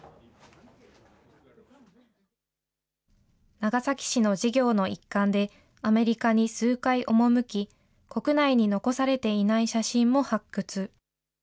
長崎市の事業の一環で、アメリカに数回赴き、国内に残されていない写真も発掘。